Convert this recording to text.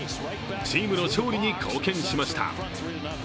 チームの勝利に貢献しました。